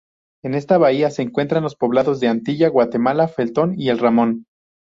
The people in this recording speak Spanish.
En esta bahía se encuentran los poblados de Antilla, Guatemala, Felton y El Ramón.